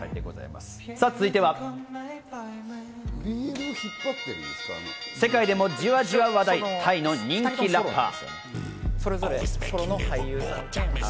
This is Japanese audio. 続いては、世界でもじわじわ話題、タイの人気ラッパー。